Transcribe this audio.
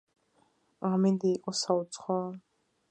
ამინდი იყო საუცხოო.